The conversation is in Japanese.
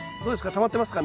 たまってますか？